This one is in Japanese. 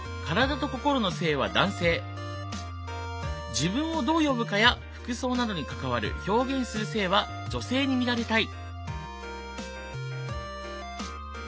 自分をどう呼ぶかや服装などに関わる表現する性は女性に見られたい。